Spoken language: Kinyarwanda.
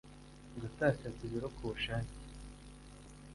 gutakaza ibiro ku bushake